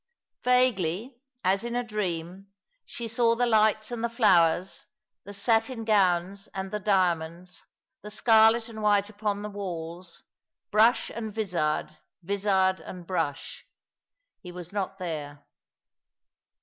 Vaguely, as in a dream, she saw the lights and the flowers, the satin gowns and the diamonds, the scarlet and white iipon the walls, brush and vizard, vizard and brush. Hd 304 A^l along the Rirjer. was not there.